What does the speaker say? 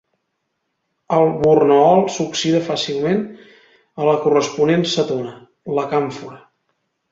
El borneol s'oxida fàcilment a la corresponent cetona, la càmfora.